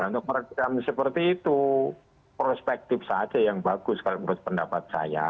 dan untuk program seperti itu prospektif saja yang bagus kalau menurut pendapat saya